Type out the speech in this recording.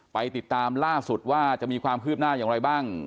ไปติดตามล่าสุดว่าจะมีความคืบหน้าอย่างไรบ้าง